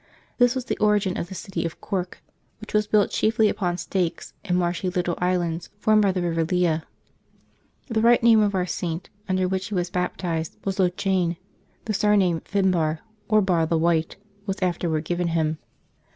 This was the origin of the city of Cork, which was built chiefly upon stakes, in marshy little islands formed by the river Lea. The right name of our Saint, under which he was baptized, was Lochan; the surname Finbarr, or Barr the White, was afterward given him.